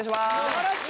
よろしく！